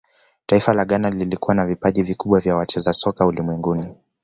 taifa la ghana lilikuwa na vipaji vikubwa vya wacheza soka ulimwenguni